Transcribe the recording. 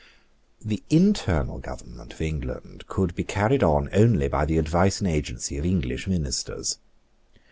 The internal government of England could be carried on only by the advice and agency of English ministers.